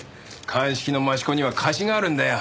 鑑識の益子には貸しがあるんだよ。